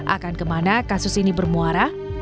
akan kemana kasus ini bermuara